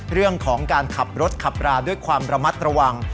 เรื่องของการขับรถขับราด้วยความระมัดระวัง